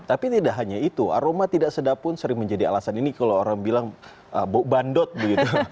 tapi tidak hanya itu aroma tidak sedap pun sering menjadi alasan ini kalau orang bilang bandot begitu